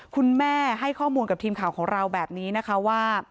คุณแม่ให้ข้อมูลกับทีมข่าวของเราแบบนี้นะคะว่า